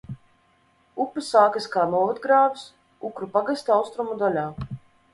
Upe sākas kā novadgrāvis Ukru pagasta austrumu daļā.